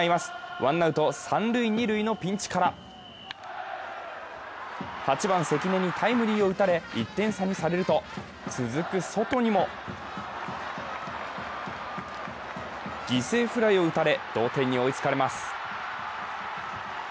ワンアウト、三塁・二塁のピンチから８番・関根にタイムリーを打たれ、１点差にされると、続くソトにも犠牲フライを打たれ、同点に追いつかれます。